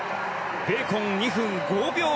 ベーコン、２分５秒９３。